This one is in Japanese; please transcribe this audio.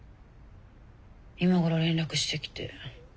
今頃連絡してきて。